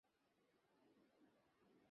ওখানেই থাক, মাগী।